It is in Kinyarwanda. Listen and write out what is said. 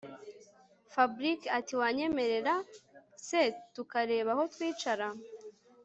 Fabric atiwanyemerera sw tukareba aho twicara